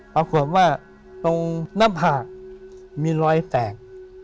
ปรากฏว่าตรงหน้าผากมีรอยแตก